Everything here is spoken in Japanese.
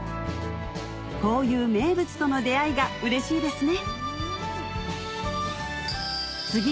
こういう名物との出合いがうれしいですね